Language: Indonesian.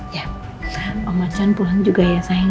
ya om acan pulang juga ya sayang